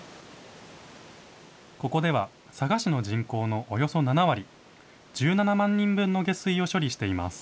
ここでは、佐賀市の人口のおよそ７割、１７万人分の下水を処理しています。